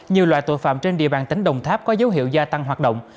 nhiều loại tội phạm trên địa bàn tỉnh đồng tháp có dấu hiệu gia tăng hoạt động